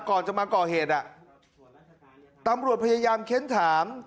ก่อนจะมาก่อเหตุอ่ะตำรวจพยายามเค้นถาม